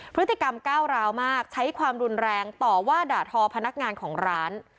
พฤติกรรมก้าวร้าวมากใช้ความรุนแรงต่อว่าด่าทอพนักงานของร้าน